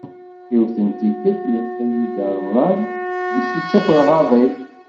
Yiwet n tikelt yeṭṭef-iyi Dda Remḍan mi s-d-ttakreɣ aḍil.